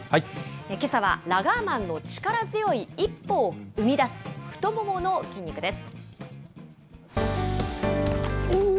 けさはラガーマンの力強い一歩を生み出す、太ももの筋肉です。